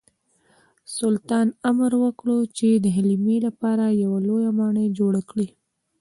سلطان امر وکړ چې د حلیمې لپاره یوه لویه ماڼۍ جوړه کړي.